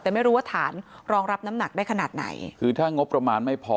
แต่ไม่รู้ว่าฐานรองรับน้ำหนักได้ขนาดไหนคือถ้างบประมาณไม่พอ